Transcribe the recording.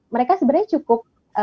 mereka sebenarnya cukup